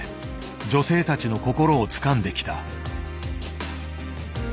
女性たちの心をつかんできた。